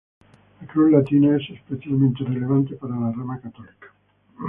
La cruz latina es especialmente relevante para la rama católica.